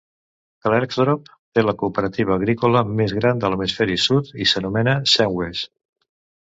Klerksdorp té la cooperativa agrícola més gran de l'hemisferi sud i s'anomena "Senwes".